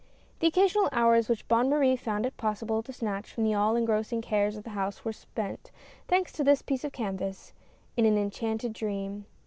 The occasional hours which Bonne Marie found it possible to snatch from the all engrossing cares of the house were spent — thanks to this piece of canvas — in an enchanted dream.